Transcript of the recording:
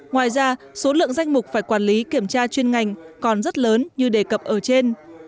ngoài ra số lượng danh mục phải quản lý kiểm tra chuyên ngành còn rất lớn như đề cập ở trên